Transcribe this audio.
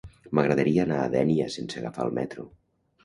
M'agradaria anar a Dénia sense agafar el metro.